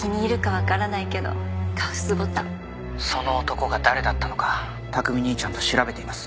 その男が誰だったのか琢己兄ちゃんと調べています。